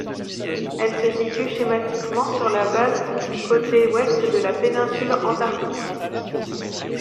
Elle se situe schématiquement sur la base côté ouest de la péninsule Antarctique.